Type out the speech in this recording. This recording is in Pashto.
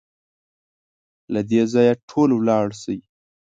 له دې ځايه ټول ولاړ شئ!